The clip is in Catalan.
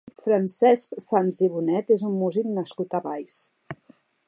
Francesc Sans i Bonet és un músic nascut a Valls.